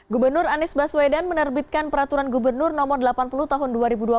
gubernur anies baswedan menerbitkan peraturan gubernur no delapan puluh tahun dua ribu dua puluh